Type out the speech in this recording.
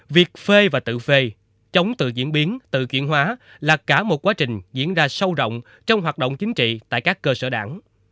việc phê và tự phê chống tự diễn biến tự chuyển hóa là cả một quá trình diễn ra sâu rộng trong hoạt động chính trị tại các cơ sở đảng